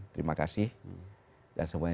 terima kasih dan semuanya